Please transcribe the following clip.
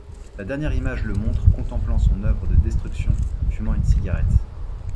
La dernière image le montre contemplant son œuvre de destruction, fumant une cigarette.